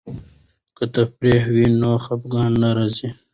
که تفریح وي نو خفګان نه راځي.